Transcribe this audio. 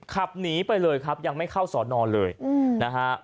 ขับหนีไปเลยครับยังไม่เข้าสอนอนเลยนะฮะ